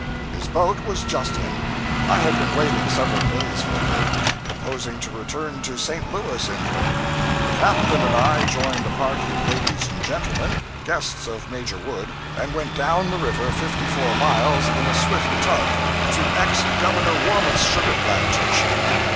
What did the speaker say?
His boat was just in. I had been waiting several days for her, purposing to return to St. Louis in her. The captain and I joined a party of ladies and gentlemen, guests of Major Wood, and went down the river fifty four miles, in a swift tug, to ex Governor Warmouth's sugar plantation.